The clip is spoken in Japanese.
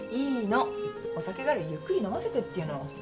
お酒ぐらいゆっくり飲ませてって言うの。